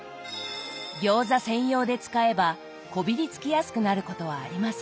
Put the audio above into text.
餃子専用で使えばこびりつきやすくなることはありません。